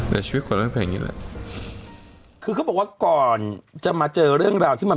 แต่ชีวิตของเราแบบแบบเงี้ยเลยคือเขาบอกว่าก่อนจะมาเจอเรื่องราวที่มัน